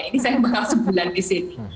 ini saya bakal sebulan di sini